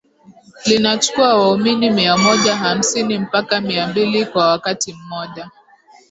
Linachukua waumini mia moja hamsini mpaka mia mbili kwa wakati mmoja